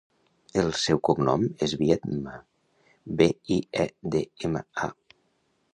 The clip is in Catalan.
El seu cognom és Biedma: be, i, e, de, ema, a.